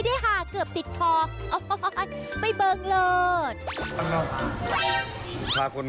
ชะเกียบพื้นอ่อนใช่ป่ะ